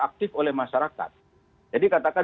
aktif oleh masyarakat jadi katakan